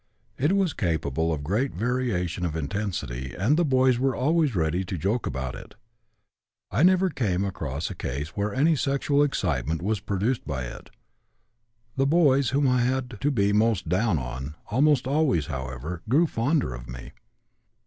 It was capable of great variation of intensity, and the boys were always ready to joke about it. I never came across a case where any sexual excitement was produced by it. The boys whom I had to be most 'down' on almost always, however, grew fonder of me.